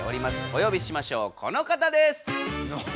およびしましょうこのかたです！